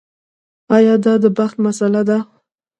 ایا دا د بخت مسئله وه.